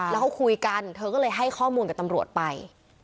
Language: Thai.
แล้วเขาคุยกันเธอก็เลยให้ข้อมูลกับตำรวจไป